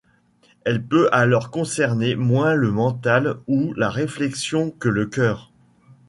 Elle peut alors concerner moins le mental ou la réflexion que le cœur.